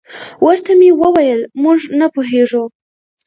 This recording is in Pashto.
ورته مې وویل: موږ نه پوهېږو.